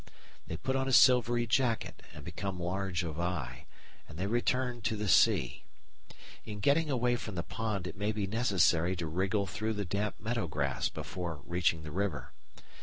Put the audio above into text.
They put on a silvery jacket and become large of eye, and they return to the sea. In getting away from the pond it may be necessary to wriggle through the damp meadow grass before reaching the river.